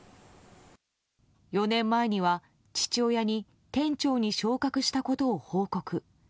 ４年前には父親に店長に昇格したことを報告。